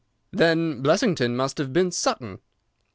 "Then Blessington must have been Sutton."